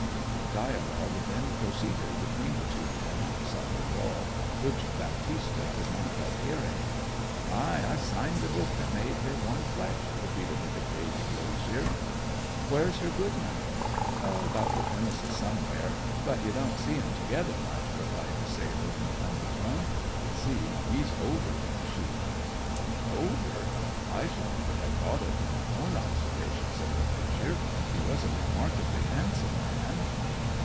A dialogue then proceeded between the two men outside the wall, which Baptista could not help hearing. 'Ay, I signed the book that made her one flesh,' repeated the decayed glazier. 'Where's her goodman?' 'About the premises somewhere; but you don't see 'em together much,' replied the sailor in an undertone. 'You see, he's older than she.' 'Older? I should never have thought it from my own observation,' said the glazier. 'He was a remarkably handsome man.'